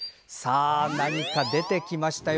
何か出てきましたよ。